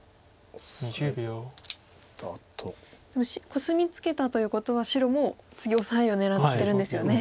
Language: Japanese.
コスミツケたということは白も次オサエを狙ってるんですよね。